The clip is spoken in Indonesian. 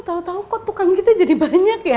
tau tau kok tukang kita jadi banyak ya